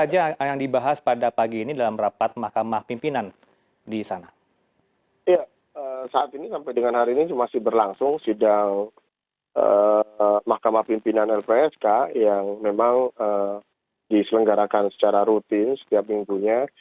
ya sampai dengan hari ini masih berlangsung sidang mahkamah pimpinan lpsk yang memang diselenggarakan secara rutin setiap minggunya